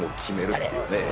っていうね。